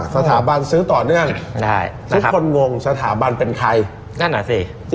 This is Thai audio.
สถาบันซื้อต่อเนื่องทุกคนงงสถาบันเป็นใคร